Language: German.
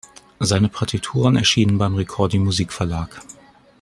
Seine Partituren erscheinen beim Ricordi-Musikverlag.